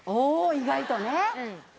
意外とね。